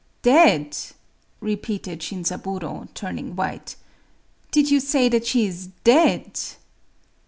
"Dead!" repeated Shinzaburō, turning white,—"did you say that she is dead?"